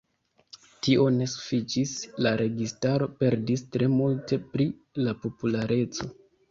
Tio ne sufiĉis, la registaro perdis tre multe pri la populareco.